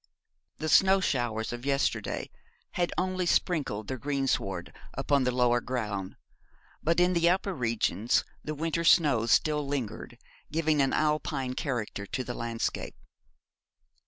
The snow showers of yesterday had only sprinkled the greensward upon the lower ground, but in the upper regions the winter snows still lingered, giving an Alpine character to the landscape.